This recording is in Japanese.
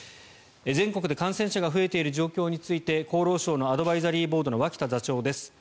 全国で感染者が増えている状況について厚労省のアドバイザリーボードの脇田座長です。